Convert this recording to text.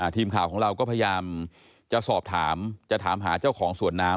ทีมข่าวของเราก็พยายามจะสอบถามจะถามหาเจ้าของสวนน้ำ